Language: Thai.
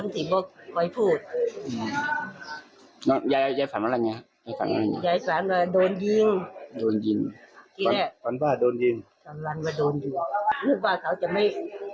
ทั้งโดนอยู่เริ่มว่าเค้าจะไม่